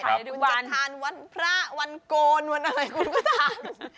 คุณจะทานวันพระวันโกนวันอะไรคุณก็ทาน